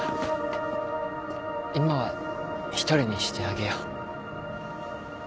今は１人にしてあげよう。